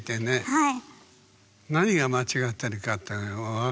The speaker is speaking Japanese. はい。